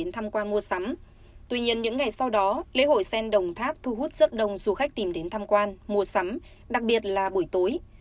tuy nhiên những ngày sau đó lễ hội sen đồng tháp thu hút rất đông du khách tìm đến tham quan mua sắm đặc biệt là buổi tối